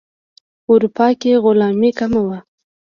اروپا کې غلامي کمه وه.